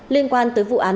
liên quan tới vụ án